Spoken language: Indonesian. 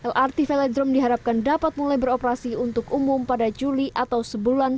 lrt velodrome diharapkan dapat mulai beroperasi untuk umum pada juli atau sebulan